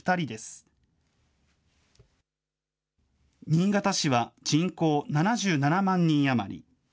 新潟市は人口７７万人余り。